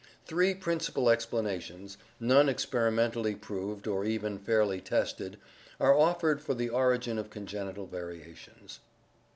— Three principal explana tions, none experimentally proved or even fairly tested, are offered for the origin of congenital variations.